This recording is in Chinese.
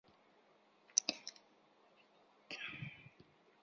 贝利斯普林斯是一个位于美国阿拉巴马州劳德代尔县的非建制地区。